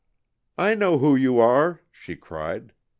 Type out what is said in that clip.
"I know who you are!" she cried.